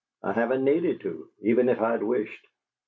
I haven't needed to even if I'd wished.